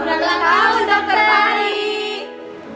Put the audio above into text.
selamat ulang tahun dokter fahri